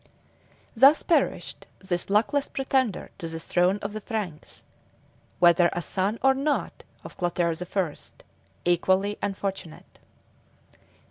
Thus perished this luckless pretender to the throne of the Franks, whether a son or not of Clotaire the First, equally unfortunate.